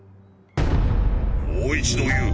もう一度言う。